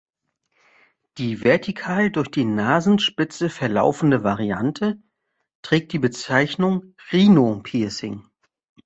Die vertikal durch die Nasenspitze verlaufende Variante trägt die Bezeichnung Rhino-Piercing.